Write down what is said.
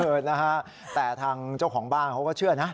นะฮะแต่ทางเจ้าของบ้านเขาก็เชื่อนะ